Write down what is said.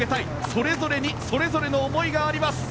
それぞれにそれぞれの思いがあります。